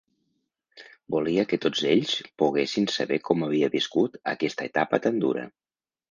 Volia que tots ells poguessin saber com havia viscut aquesta etapa tan dura.